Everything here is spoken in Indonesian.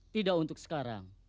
tidak untuk sekarang